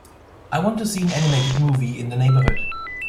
I want to see an animated movie in the neighbourhood